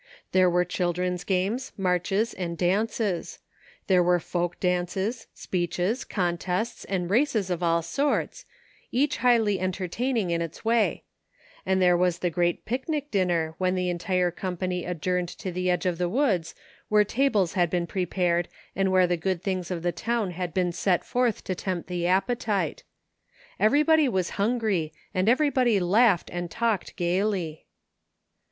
There were children's games, marches and dances. There were folk dances, speeches, contests, and races of all sorts, each highly entertaining in its way ; and there was the great picnic dinner when the entire company adjourned to the edge of the woods where tables had been pre pared and where the good things of the town had been set forth to tempt the appetite. Everybody was hungry and everybody laughed and talked gaily.